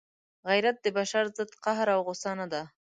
غیرت د بشر ضد قهر او غصه نه ده.